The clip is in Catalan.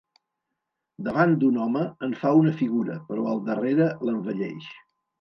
Davant d'un home en fa una figura però al darrere l'envelleix.